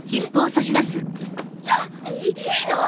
ちょっいいの！？